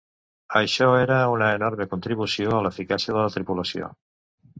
Això era una enorme contribució a l'eficàcia de la tripulació.